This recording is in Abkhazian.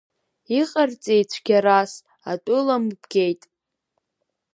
Иҟарҵеи цәгьарас, атәыла мыбгеит!